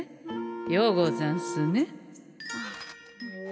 ようござんすね？